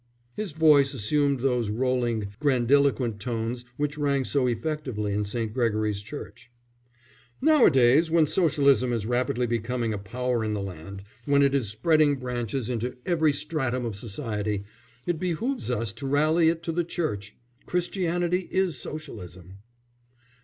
His voice assumed those rolling, grandiloquent tones which rang so effectively in St. Gregory's Church. "Now a days, when Socialism is rapidly becoming a power in the land, when it is spreading branches into every stratum of society, it behoves us to rally it to the Church. Christianity is Socialism."